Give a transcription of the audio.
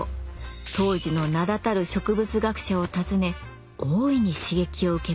当時の名だたる植物学者を訪ね大いに刺激を受けます。